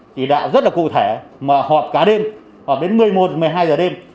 thì đã rất là cụ thể mà họp cả đêm họp đến một mươi một một mươi hai giờ đêm